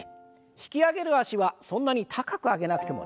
引き上げる脚はそんなに高く上げなくても大丈夫です。